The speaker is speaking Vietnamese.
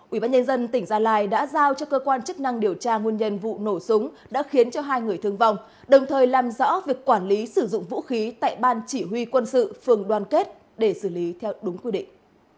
ubnd tỉnh gia lai đã giao cho cơ quan chức năng điều tra nguyên nhân vụ nổ súng đã khiến cho hai người thương vong đồng thời làm rõ việc quản lý sử dụng vũ khí tại ban chỉ huy quân sự phường đoàn kết để xử lý theo đúng quy định